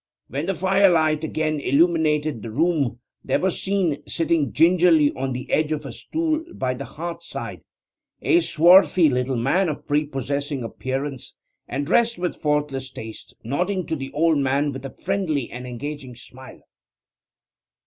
When the fire light again illuminated the room there was seen, sitting gingerly on the edge of a stool by the hearth side, a swarthy little man of prepossessing appearance and dressed with faultless taste, nodding to the old man with a friendly and engaging smile.